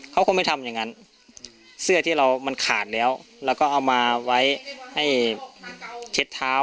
เขาคงไม่ทำอย่างนั้นเสื้อที่เรามันขาดแล้วแล้วก็เอามาไว้ให้เช็ดเท้า